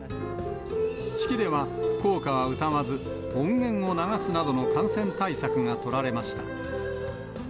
式では、校歌は歌わず音源を流すなどの感染対策が取られました。